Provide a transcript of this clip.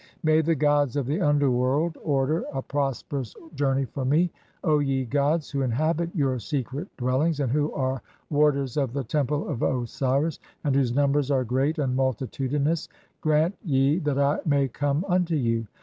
(43) May the gods of the underworld [order] "a prosperous journey for me ! O ye gods who inhabit your "secret dwellings, and who are warders of the Temple of Osiris, "and whose numbers are great and multitudinous, grant ye (44) "that I may come unto you.